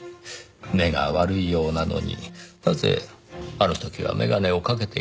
目が悪いようなのになぜあの時は眼鏡をかけていなかったのか。